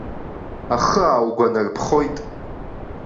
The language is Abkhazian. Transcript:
Ахы ааугәанарԥхоит.